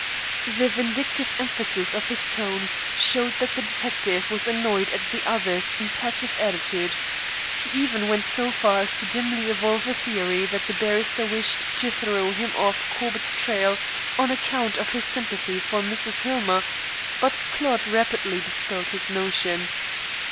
The vindictive emphasis of his tone showed that the detective was annoyed at the other's impassive attitude. He even went so far as to dimly evolve a theory that the barrister wished to throw him off Corbett's trail on account of his sympathy for Mrs. Hillmer, but Claude rapidly dispelled this notion.